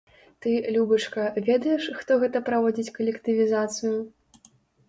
Ты, любачка, ведаеш, хто гэта праводзіць калектывізацыю?